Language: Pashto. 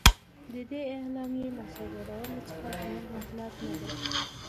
د دې اعلامیې له صادرولو څخه زموږ مطلب نه دی.